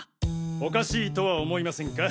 おかしいとは思いませんか？